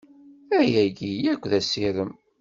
Ayagi yakk d asirem.